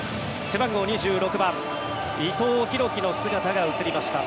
背番号２６番伊藤洋輝の姿が映りました。